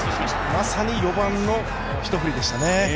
まさに４番の一振りでしたね。